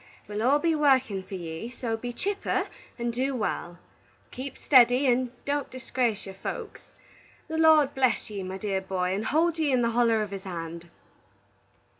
We'll all be workin' for ye, so be chipper and do wal. Keep steddy, and don't disgrace your folks. The Lord bless ye, my dear boy, and hold ye in the holler of his hand!"